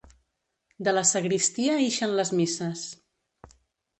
De la sagristia ixen les misses.